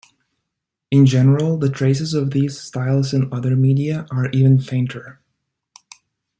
In general the traces of these styles in other media are even fainter.